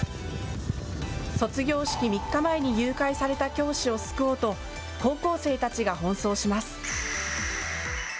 卒業式３日前に誘拐された教師を救おうと高校生たちが奔走します。